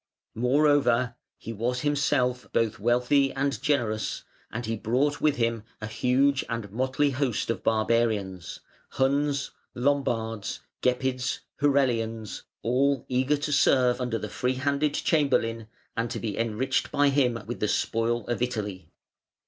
Moreover, he was himself both wealthy and generous, and he brought with him a huge and motley host of barbarians, Huns, Lombards, Gepids, Herulians, all eager to serve under the free handed Chamberlain, and to be enriched by him with the spoil of Italy.